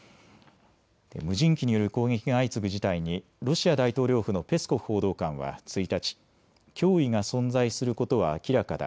無人機による攻撃が相次ぐ事態にロシア大統領府のペスコフ報道官は１日、脅威が存在することは明らかだ。